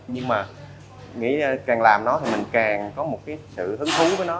nhưng mà nghĩ càng làm nó thì mình càng có một cái sự hứng thú với nó